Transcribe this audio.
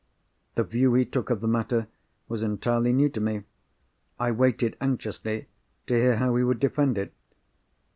The view he took of the matter was entirely new to me. I waited anxiously to hear how he would defend it.